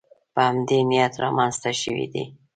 په همدې نیت رامنځته شوې دي